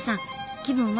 気分は？